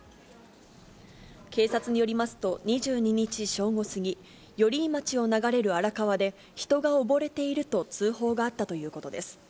警察によりますと２２日正午過ぎ、寄居町を流れる荒川で人が溺れていると通報があったということです。